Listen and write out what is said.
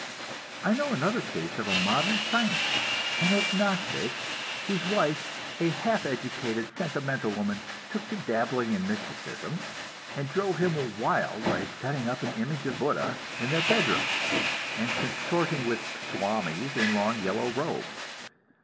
I know another case of a modern scientist, an agnostic, whose wife, a half educated, sentimental woman, took to dabbling in mysticism, and drove him wild by setting up an image of Buddha in her bedroom, and consorting with "swamis" in long yellow robes.